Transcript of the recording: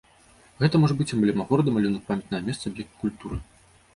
Гэта можа быць эмблема горада, малюнак памятнага месца, аб'ект культуры.